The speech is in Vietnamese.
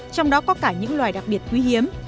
trong đó có cả những loài đặc biệt quý hiếm